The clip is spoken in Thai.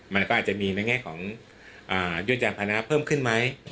มันก็อาจจะมีในแง่ของยุ่นยานพานะเพิ่มขึ้นไหม